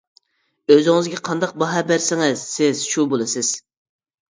ئۆزىڭىزگە قانداق باھا بەرسىڭىز سىز شۇ بولىسىز.